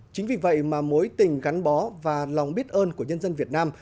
chính vì vậy mà mối tình gắn bó và lòng biết ơn của nhân dân việt nam